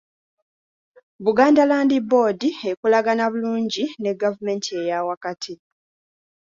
Buganda Land Board ekolagana bulungi ne gavumenti eya wakati.